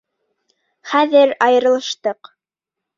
Хәҙер айырылыштыҡ.